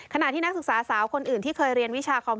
ขณะที่นักศึกษาสาวคนอื่นที่เคยเรียนวิชาคอม